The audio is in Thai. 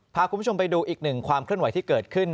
พาคุณผู้ชมไปดูอีกหนึ่งความเคลื่อนไหวที่เกิดขึ้น